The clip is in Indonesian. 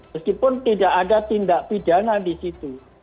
meskipun tidak ada tindak pidana di situ